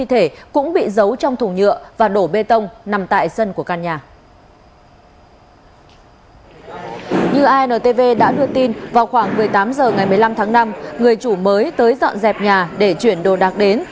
tám h ngày một mươi năm tháng năm người chủ mới tới dọn dẹp nhà để chuyển đồ đạc đến